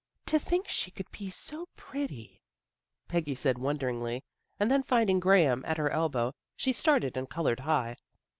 " To think she could be so pretty," Peggy said wonderingly, and then finding Graham at her elbow she started and colored high.